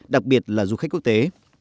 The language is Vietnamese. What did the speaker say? đặc biệt là du khách quốc tế